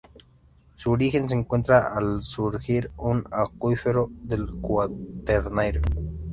Su origen se encuentra al surgir un acuífero del cuaternario.